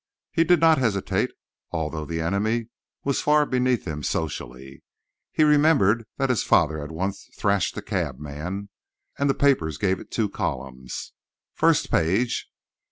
He did not hesitate, although the enemy was far beneath him socially. He remembered that his father once thrashed a cabman, and the papers gave it two columns, first page.